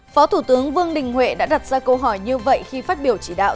phó thủ tướng vương đình huệ đã đặt ra câu hỏi như vậy khi phát biểu chỉ đạo